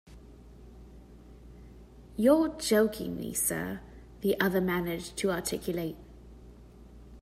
You're joking me, sir, the other managed to articulate.